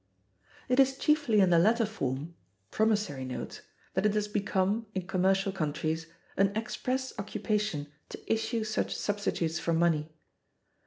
It is chiefly in the latter form [promissory notes] that it has become, in commercial countries, an express occupation to issue such substitutes for money.